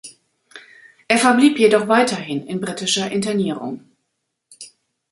Er verblieb jedoch weiterhin in britischer Internierung.